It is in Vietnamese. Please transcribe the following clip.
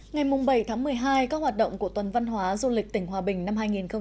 ngày bảy tháng một mươi hai các hoạt động của tuần văn hóa du lịch tỉnh hòa bình năm hai nghìn hai mươi